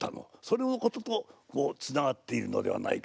それのこととつながっているのではないかな？